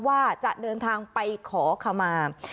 ว่าจะเดินทางไปขอขมา